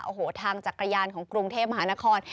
โอ้โหทางจักรยานของกรุงเทพมหานคร